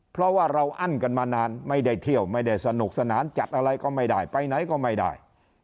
เพราะว่าเราอั้นกันมานานไม่ได้เที่ยวไม่ได้สนุกสนานจัดอะไรก็ไม่ได้ไปไหนก็ไม่ได้